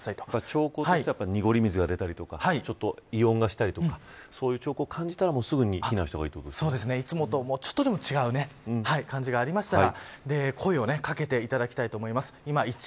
兆候としては濁り水が出たり異音がしたりとかそういう兆候を感じたらすぐに避難し方がいいいつもとちょっとでも違う感じがあったら声を掛けていただきたいと思います。